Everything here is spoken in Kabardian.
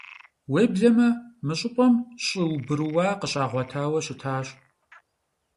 Уеблэмэ, мы щӀыпӀэм щӀы убрууа къыщагъуэтауэ щытащ.